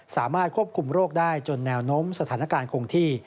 สามารถควบคุมโรคได้จนแนวโน้มสถานการณ์คงที่